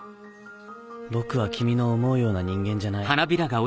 僕は君の思うような人間じゃない